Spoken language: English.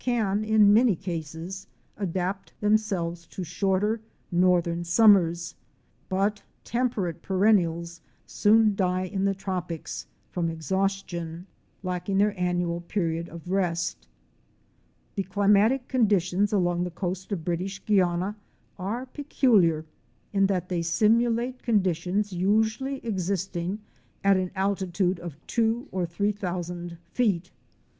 can in many casts' adapt themselves to shorter, northern summers, but temperate perennials soon die in the tropics from exhaustion, lacking their annual period of rest. The climatic conditions along the coast of British Guiana are peculiar, in that they simulate conditions usually existing at an altitude of two or three thousand feet.